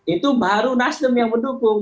itu baru nasdem yang mendukung